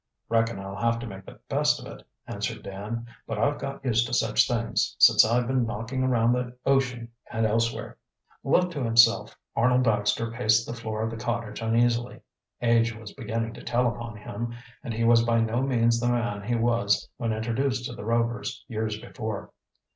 "Reckon I'll have to make the best of it," answered Dan. "But I've got used to such things, since I've been knocking around the ocean and elsewhere." Left to himself, Arnold Baxter paced the floor of the cottage uneasily. Age was beginning to tell upon him and he was by no means the man he was when introduced to the Rovers years before.